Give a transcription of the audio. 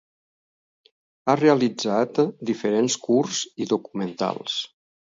Ha realitzat diferents curts i documentals.